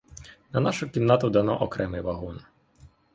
На нашу кімнату дано окремий вагон.